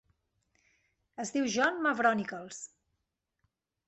Es diu John Mavronicles.